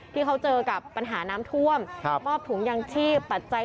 ที่เขาเจอกับปัญหาน้ำท่วมมอบถุงยางชีพปัจจัย